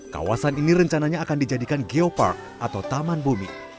kawasan ini rencananya akan dijadikan geopark atau tamu